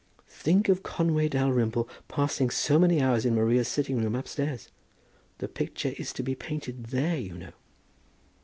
"Think of Conway Dalrymple passing so many hours in Maria's sitting room upstairs! The picture is to be painted there, you know."